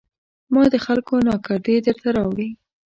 ما د خلکو ناکردې درته راوړي